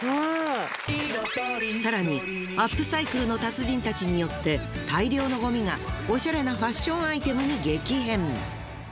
更にアップサイクルの達人たちによって大量のゴミがオシャレなファッションアイテムに激変！